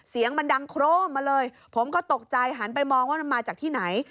เสียงมันดังโครมมาเลยผมก็ตกใจหันไปมองว่ามันมาจากที่ไหน